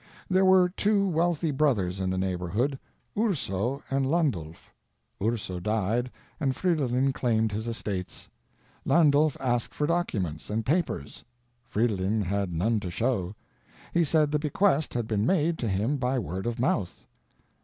There were two wealthy brothers in the neighborhood, Urso and Landulph. Urso died and Fridolin claimed his estates. Landulph asked for documents and papers. Fridolin had none to show. He said the bequest had been made to him by word of mouth.